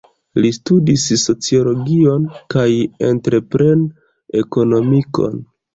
Li studis sociologion kaj entrepren-ekonomikon.